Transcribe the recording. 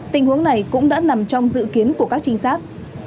tình huống này cũng đã nằm trong dự kiến của các trinh sát